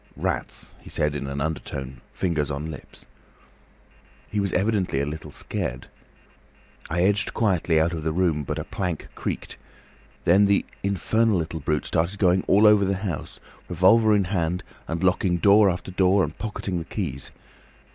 'Rats,' he said in an undertone, fingers on lips. He was evidently a little scared. I edged quietly out of the room, but a plank creaked. Then the infernal little brute started going all over the house, revolver in hand and locking door after door and pocketing the keys.